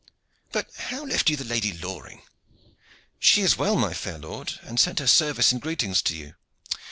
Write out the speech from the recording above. But how left you the Lady Loring?" "She was well, my fair lord, and sent her service and greetings to you."